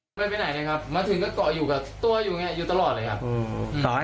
ไปไหนกันครับมาถึงก็เกาะอยู่กับตัวอยู่ไงอยู่ตลอดเลยครับ